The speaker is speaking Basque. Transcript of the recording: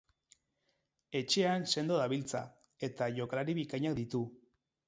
Etxean sendo dabiltza, eta jokalari bikainak ditu.